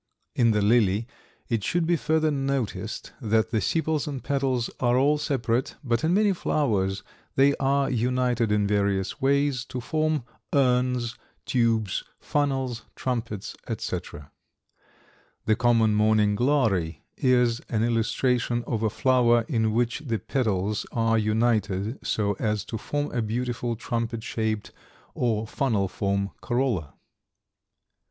In the lily it should be further noticed that the sepals and petals are all separate, but in many flowers they are united in various ways to form urns, tubes, funnels, trumpets, etc. The common morning glory is an illustration of a flower in which the petals are united so as to form a beautiful trumpet shaped or funnel form corolla.